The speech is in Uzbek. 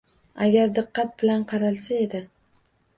Agar diqqat bilan qaralsa edi.